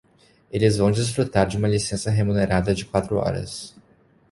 Eles vão desfrutar de uma licença remunerada de quatro horas.